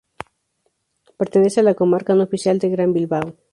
Pertenece a la comarca no oficial del Gran Bilbao.